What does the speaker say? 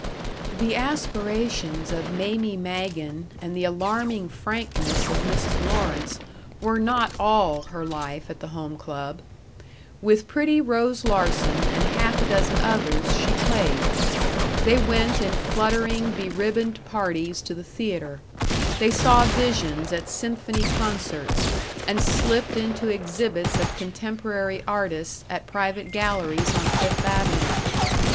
§ 4 The aspirations of Mamie Magen and the alarming frankness of Mrs. Lawrence were not all her life at the Home Club. With pretty Rose Larsen and half a dozen others she played. They went in fluttering, beribboned parties to the theater; they saw visions at symphony concerts, and slipped into exhibits of contemporary artists at private galleries on Fifth Avenue.